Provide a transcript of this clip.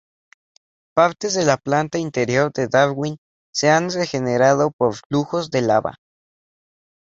Partes de la planta interior de Darwin se han regenerado por flujos de lava.